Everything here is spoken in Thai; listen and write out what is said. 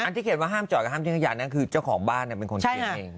ที่เขียนว่าห้ามจอดกับห้ามทิ้งขยะนั้นคือเจ้าของบ้านเป็นคนเขียนเอง